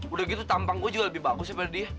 udah gitu tampang gue juga lebih bagus daripada dia